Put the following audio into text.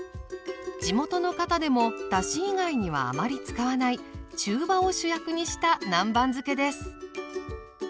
地元の方でもだし以外にはあまり使わない中羽を主役にした南蛮漬けです。